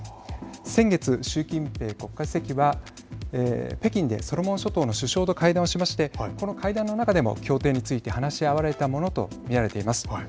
先月、習近平国家主席は北京でソロモン諸島の首相と会談をしましてこの会談の中でも協定について話し合われたものと見られています。